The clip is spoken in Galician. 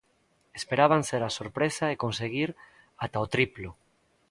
Esperaban ser a sorpresa e conseguir ata o triplo.